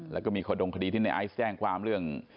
แล้วก็มีขดงคดีที่ในไอซ์แจ้งความเรื่อง